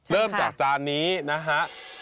เริ่มจากจานนี้นะฮะ